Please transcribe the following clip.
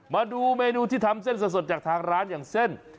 มาดูเมนูที่ทำเส้นสดจากทางร้านอย่างเส้น